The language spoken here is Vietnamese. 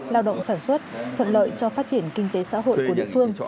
lao động sản xuất thuận lợi cho phát triển kinh tế xã hội của địa phương